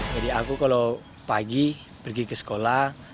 jadi aku kalau pagi pergi ke sekolah